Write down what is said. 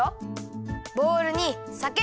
ボウルにさけ。